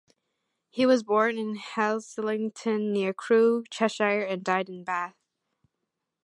He was born in Haslington, near Crewe, Cheshire and died in Bath.